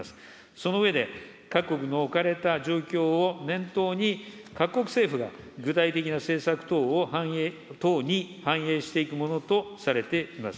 その上で、各国の置かれた状況を念頭に、各国政府が具体的な政策等に反映していくものとされています。